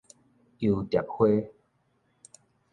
遊蝶花